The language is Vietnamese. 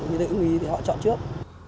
như thế ứng ý thì họ chọn trước